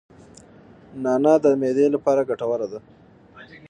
نعناع د معدې لپاره ګټوره ده